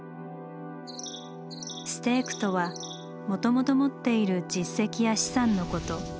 「ステーク」とはもともと持っている実績や資産のこと。